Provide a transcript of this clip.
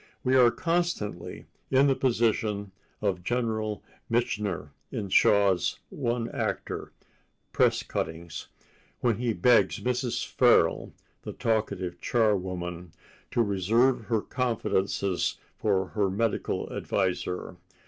We are constantly in the position of General Mitchener in Shaw's one acter, "Press Cuttings," when he begs Mrs. Farrell, the talkative charwoman, to reserve her confidences for her medical adviser.